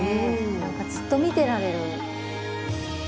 何かずっと見てられる。